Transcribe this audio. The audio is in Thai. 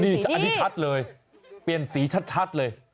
อันนี้ชัดเลยเปลี่ยนสีชัดเลย